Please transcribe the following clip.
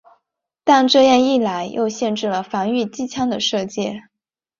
但这样一来又限制了防御机枪的射界。